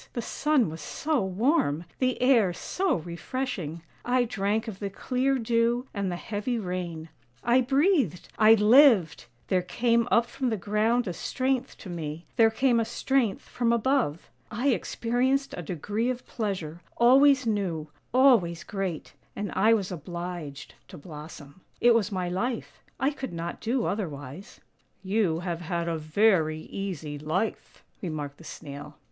The sun was so warm, the air so refreshing; I drank of the clear dew and the heavy rain; I breathed — I lived! There came up from the ground a strength to me, there came a strength from above. I experienced a degree of pleasure, always new, always great, and I was obliged to blossom. It was my life; I could not do otherwise." ' You have had a very easy life," remarked the Snail.